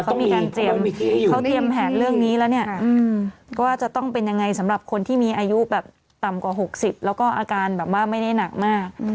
เขามีการเตรียมเขาเตรียมแผนเรื่องนี้แล้วเนี่ยว่าจะต้องเป็นยังไงสำหรับคนที่มีอายุแบบต่ำกว่า๖๐แล้วก็อาการแบบว่าไม่ได้หนักมาก